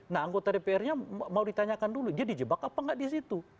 nah anggota dpr nya mau ditanyakan dulu dia dijebak apa nggak di situ